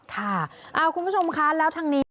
ค่ะคุณผู้ชมคะแล้วทางนี้